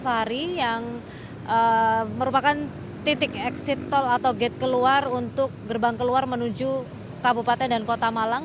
ini adalah eksitol yang merupakan titik eksitol atau gate keluar untuk gerbang keluar menuju kabupaten dan kota malang